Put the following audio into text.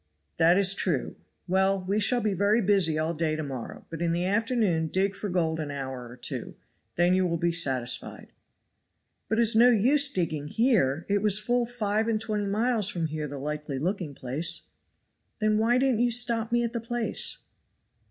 "That is true. Well, we shall be very busy all day to morrow, but in the afternoon dig for gold an hour or two then you will be satisfied." "But it is no use digging here; it was full five and twenty miles from here the likely looking place." "Then why didn't you stop me at the place?"